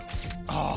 ああ！